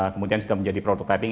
kemudian sudah menjadi prototyping